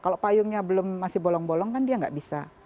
kalau payungnya belum masih bolong bolong kan dia nggak bisa